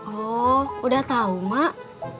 oh udah tau mak